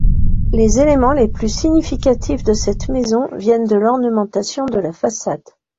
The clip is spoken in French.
Les éléments les plus significatifs de cette maison viennent de l'ornementation de la façade.